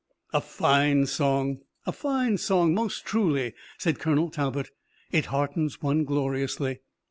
"A fine song! A fine song most truly," said Colonel Talbot. "It heartens one gloriously!"